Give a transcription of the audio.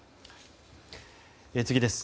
次です。